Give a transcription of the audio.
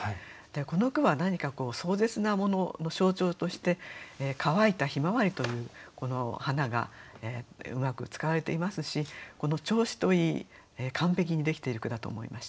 この句は何か壮絶なものの象徴としてかわいた向日葵という花がうまく使われていますしこの調子といい完璧にできている句だと思いました。